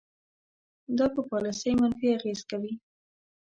دا په پالیسۍ منفي اغیز کوي.